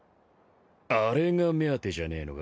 あれが目当てじゃねえのか。